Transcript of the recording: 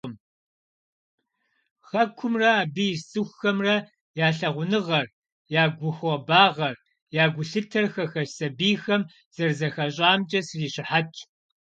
Хэкумрэ, абы ис цӏыхухэмрэ я лъагъуныгъэр, я гухуабагъэр, я гулъытэр хэхэс сабийхэм зэрызэхащӏамкӏэ срищыхьэтщ.